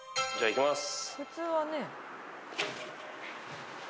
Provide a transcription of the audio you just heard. いきます！